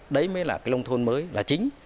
đấy mới là cái nông thuần mới là chính